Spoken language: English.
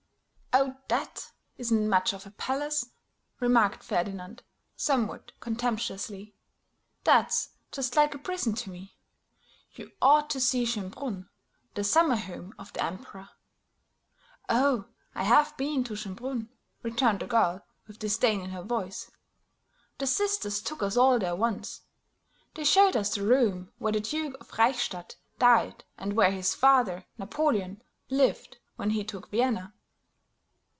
"Oh, that isn't much of a palace," remarked Ferdinand, somewhat contemptuously, "that's just like a prison to me; you ought to see Schönbrunn, the summer home of the Emperor." "Oh, I've been to Schönbrunn," returned the girl with disdain in her voice. "The Sisters took us all there once; they showed us the room where the Duke of Reichstadt died, and where his father, Napoleon, lived when he took Vienna."